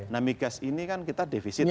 nah migas ini kan kita defisit